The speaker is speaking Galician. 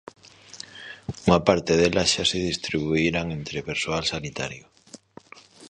Unha parte delas xa se distribuíran entre persoal sanitario.